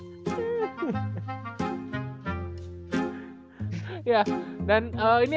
gak bakal diganti juga sih feeling gue